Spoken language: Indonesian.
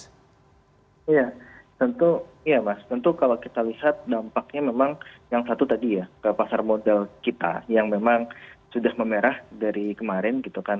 iya tentu iya mas tentu kalau kita lihat dampaknya memang yang satu tadi ya pasar modal kita yang memang sudah memerah dari kemarin gitu kan